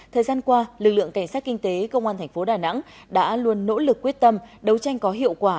thời gian qua lực lượng cảnh sát kinh tế công an thành phố đà nẵng đã luôn nỗ lực quyết tâm đấu tranh có hiệu quả